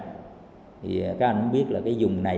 các anh cũng biết là cái vùng này